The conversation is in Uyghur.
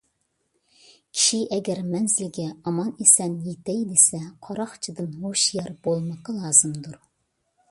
كىشى ئەگەر مەنزىلگە ئامان - ئېسەن يېتەي دېسە قاراقچىدىن ھوشيار بولمىقى لازىمدۇر.